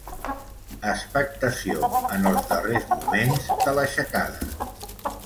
Expectació en els darrers moments de l'aixecada.